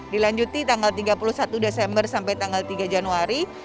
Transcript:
dilanjuti tanggal tiga puluh satu desember sampai tanggal tiga januari